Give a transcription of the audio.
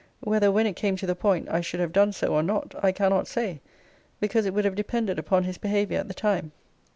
Whether, when it came to the point, I should have done so, or not, I cannot say, because it would have depended upon his behaviour at the time.